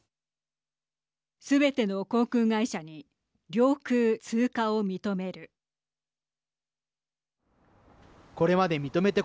すべての航空会社に領空通過を認める。